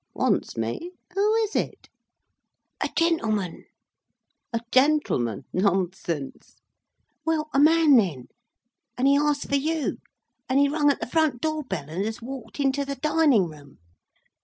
"Wants me! Who is it?" "A gentleman—" "A gentleman? Nonsense!" "Well! a man, then, and he asks for you, and he rung at the front door bell, and has walked into the dining room."